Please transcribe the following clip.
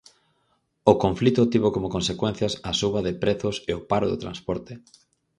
O conflito tivo como consecuencias a suba de prezos e o paro do transporte.